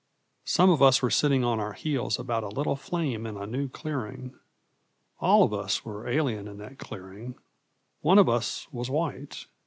Some of us were sitting on our heels about a little flame in a new clearing; all of us were alien in that clearing; one of us was white.